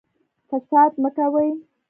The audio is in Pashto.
فساد مه کوئ